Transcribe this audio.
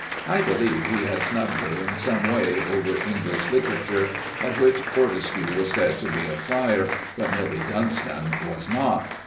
I believe he had snubbed her in some way over English literature, at which Fortescue was said to be a flyer, but Milly Dunston was not.